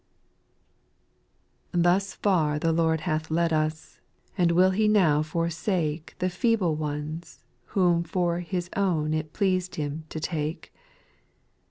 ' 228 SPIRITUAL SONGS. 5. Tims far the Lord hath led us ; and will He now forsake The feeble ones whom for His own it pleased Him to take